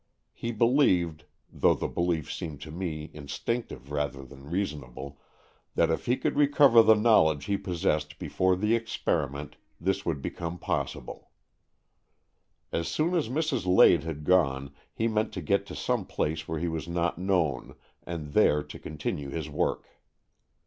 He believed, though the belief seemed to me instinctive rather than reasonable, that if he could recover the knowledge he possessed before the experiment, this would become possible. As soon as Mrs. Lade had gone, he meant to get to some place where he was not known, and there to continue his work.